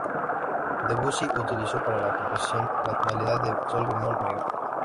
Debussy utilizó para la composición la tonalidad de sol bemol mayor.